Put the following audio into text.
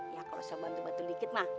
ya kalo usah bantu bantu dikit mah